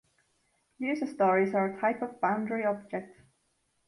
User stories are a type of boundary object.